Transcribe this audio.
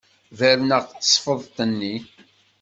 Berneɣ tasfeḍt-nni.